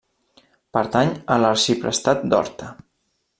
Pertany a l'arxiprestat d'Horta.